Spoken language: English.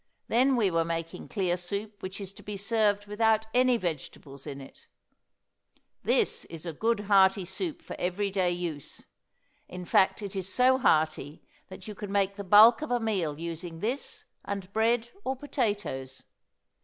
Then we were making clear soup which is to be served without any vegetables in it. This is a good hearty soup for every day use; in fact it is so hearty that you can make the bulk of a meal using this and bread or potatoes.